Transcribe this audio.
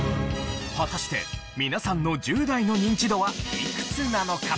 果たして皆さんの１０代のニンチドはいくつなのか？